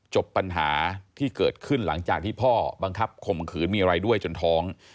จบปัญหาที่เกิดขึ้นหลังจากที่พ่อบังคับข่มขืนมีอะไรด้วยจนท้อง